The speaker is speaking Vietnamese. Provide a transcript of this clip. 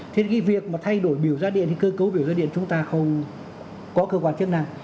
thế thì cái việc mà thay đổi biểu giá điện thì cơ cấu biểu giá điện chúng ta không có cơ quan chức năng